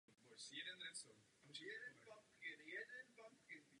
Po skončení aktivní kariéry působil jako trenér Zlína a hokejový funkcionář.